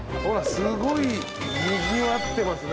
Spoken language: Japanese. すごいにぎわってますね。